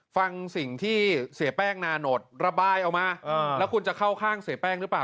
ฟังสิ่งที่เสียแป้งนาโนตระบายออกมาแล้วคุณจะเข้าข้างเสียแป้งหรือเปล่า